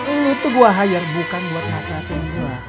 ini tuh gue hire bukan buat masalah tim gue